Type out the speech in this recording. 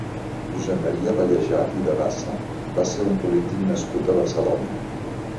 Josep Maria Pallejà i de Bassa va ser un polític nascut a Barcelona.